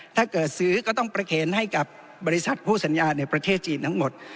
ถ้าเกิดซื้อก็ต้องประเคนให้กับบริษัทผู้สัญญาในประเทศจีนทั้งหมด